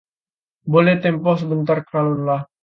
boleh tempoh sebentar kalau lelah